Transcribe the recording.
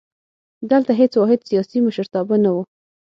دلته هېڅ واحد سیاسي مشرتابه نه وو.